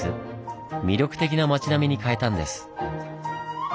魅力的な町並みに変えたんです。